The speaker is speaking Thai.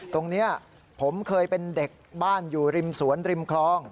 ตรงนี้ผมเคยเป็นเด็กบ้านอยู่ริมสวนริมคลอง